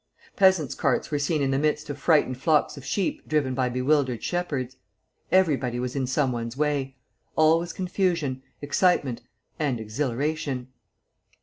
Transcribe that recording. Peasants' carts were seen in the midst of frightened flocks of sheep driven by bewildered shepherds. Everybody was in some one's way. All was confusion, excitement, and exhilaration.